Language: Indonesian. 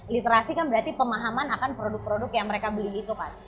literasi kan berarti pemahaman akan produk produk yang mereka beli itu kan